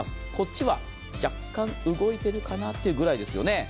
右側は若干、動いてるかなというところですよね。